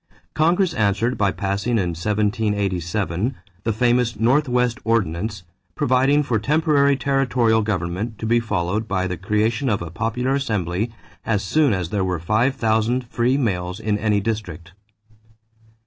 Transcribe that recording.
Congress answered by passing in 1787 the famous Northwest Ordinance providing for temporary territorial government to be followed by the creation of a popular assembly as soon as there were five thousand free males in any district.